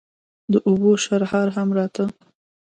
د اوبو شرهار هم راته.